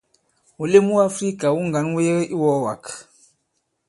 Wùlem wu Àfrikà wu ŋgǎn wu yebe i iwɔ̄ɔwàk.